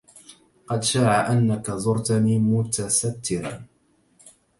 قد شاع أنك زرتني متسترا